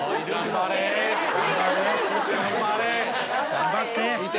頑張って！